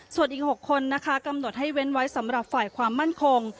ส่วนอีก๖คนนะคะกำหนดให้เว้นไว้สำหรับฝ่ายความมั่นคง